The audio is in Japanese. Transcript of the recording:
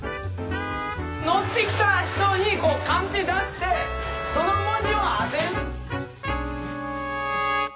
乗ってきた人にこうカンペ出してその文字を当てる。